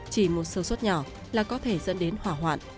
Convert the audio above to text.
chỉ một sơ suất nhỏ là có thể dẫn đến hỏa hoạn